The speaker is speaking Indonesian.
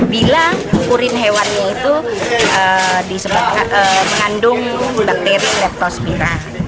bila urin hewannya itu mengandung bakteri leptospira